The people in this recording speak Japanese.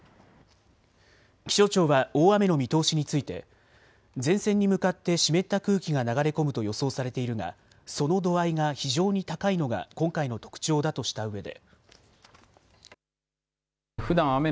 気象庁は大雨の見通しについて前線に向かって湿った空気が流れ込むと予想されているがその度合いが非常に高いのが今回の特徴だとしたうえで。